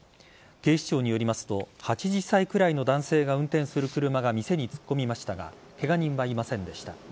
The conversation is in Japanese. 警視庁によりますと８０歳くらいの男性が運転する車が店に突っ込みましたがケガ人はいませんでした。